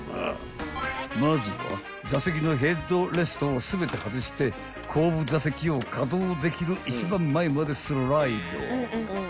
［まずは座席のヘッドレストを全て外して後部座席を稼働できる一番前までスライド］